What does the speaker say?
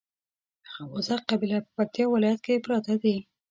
خواځک قبيله په پکتیا ولايت کې پراته دي